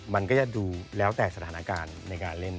มันก็จะดูแล้วแต่สถานการณ์ในการเล่น